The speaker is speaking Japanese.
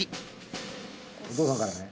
お父さんからね。